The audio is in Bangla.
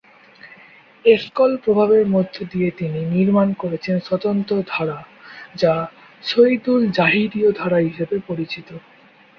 এসকল প্রভাবের মধ্য দিয়ে তিনি নির্মাণ করেছেন স্বতন্ত্র ধারা, যা "শহীদুল জহিরীয় ধারা" হিসেবে পরিচিত।